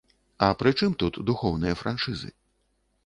А прычым тут духоўныя франшызы?